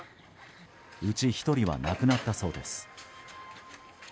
うち１人は亡くなったそうです。